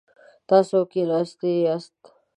تاسو کښیناستی یاست؟